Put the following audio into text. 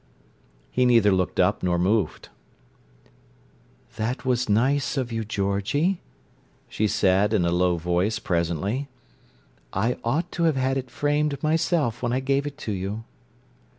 He neither looked up nor moved. "That was nice of you, Georgie," she said, in a low voice presently. "I ought to have had it framed, myself, when I gave it to you."